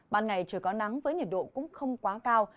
ban ngày trời có nắng với nhiệt độ cũng không quá cao